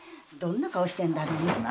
どんな顔してるんだろうね。